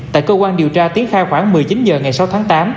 tại cơ quan điều tra tiến khai khoảng một mươi chín h ngày sáu tháng tám